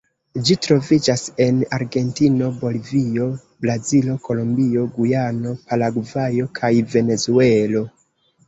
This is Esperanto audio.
Ĝi troviĝas en Argentino, Bolivio, Brazilo, Kolombio, Gujano, Paragvajo, kaj Venezuelo.